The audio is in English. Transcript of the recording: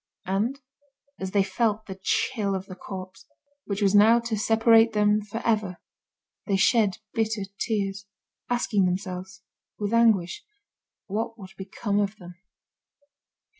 And, as they felt the chill of the corpse, which was now to separate them for ever, they shed bitter tears, asking themselves, with anguish, what would become of them.